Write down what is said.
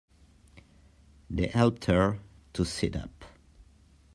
They helped her to sit up.